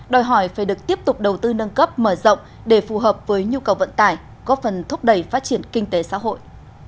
đòi hỏi phải được tiếp tục đầu tư nâng cấp mở rộng để phù hợp với nhu cầu vận tải góp phần thúc đẩy phát triển kinh tế xã hội